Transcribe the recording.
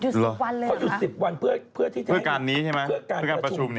หรือเค้าหยุด๑๐วันเพื่อการประชุมเนี่ย